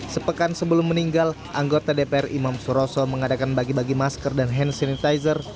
sepekan sebelum meninggal anggota dpr imam suroso mengadakan bagi bagi masker dan hand sanitizer